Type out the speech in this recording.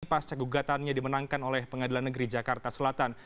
pasca gugatannya dimenangkan oleh pengadilan negeri jakarta selatan